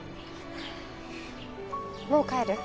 もう帰る？